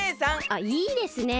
あっいいですね。